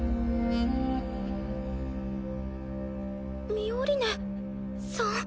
ミオリネさん？